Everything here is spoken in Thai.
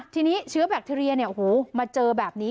ทีนี้เชื้อแบคทีเรียมาเจอแบบนี้